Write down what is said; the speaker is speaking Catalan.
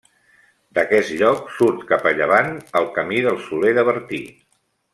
D'aquest lloc surt cap a llevant el Camí del Soler de Bertí.